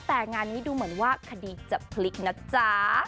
แต่งานนี้ดูเหมือนว่าคดีจะพลิกนะจ๊ะ